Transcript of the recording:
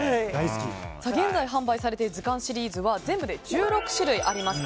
現在販売されている「図鑑」シリーズは全部で１６種類あります。